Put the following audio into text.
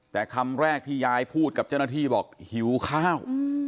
แต่คำแรกที่ยายพูดกับเจ้าหน้าที่บอกหิวข้าว